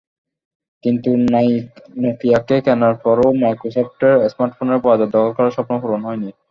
কিন্তু নকিয়াকে কেনার পরও মাইক্রোসফটের স্মার্টফোনের বাজার দখল করার স্বপ্ন পূরণ হয়নি।